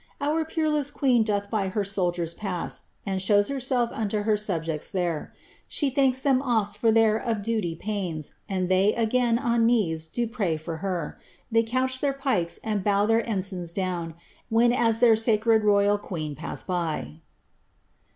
Our peerless queen doth by her soldiers pass, And shows herself unto fier subjects there. She thanks them oft for their (of duty) pains, And they, again, on knees, do pray for her ; They couch their pikes, and bow their ensigns down, When as their sacred royal queen passed by."